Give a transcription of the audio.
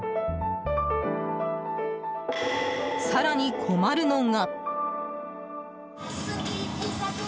更に困るのが。